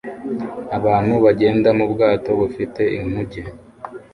Abantu bagenda mu bwato bufite inkuge